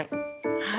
はい。